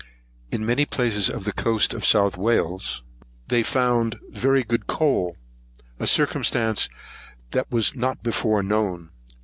In many places of the coast of South Wales, they found very good coal; a circumstance that was not before known.